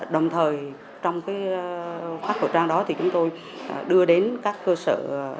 đồng thời trong cái khách khẩu trang đó thì chúng tôi đưa đến các cơ sở